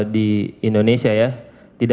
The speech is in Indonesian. di indonesia ya tidak